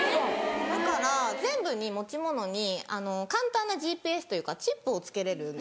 だから全部に持ち物に簡単なＧＰＳというかチップを付けれるんですよ。